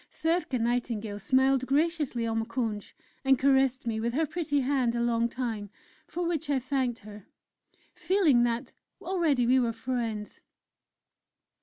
Circé Nightingale smiled graciously on Moukounj, and caressed me with her pretty hand a long time for which I thanked her, feeling that already we were friends.